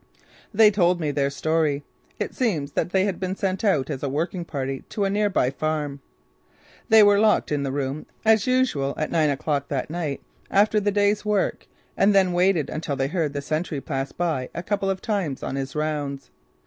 They told me their story. It seems that they had been sent out as a working party to a near by farm. They were locked in the room as usual at nine o'clock that night after the day's work and then waited until they had heard the sentry pass by a couple of times on his rounds.